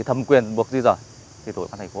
thầm quyền buộc duy dở